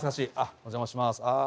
お邪魔します。